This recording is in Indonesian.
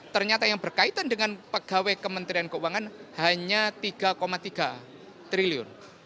ternyata yang berkaitan dengan pegawai kementerian keuangan hanya tiga tiga triliun